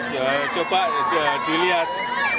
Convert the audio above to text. ya coba dilihat